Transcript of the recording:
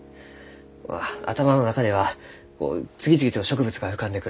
まあ頭の中では次々と植物が浮かんでくる。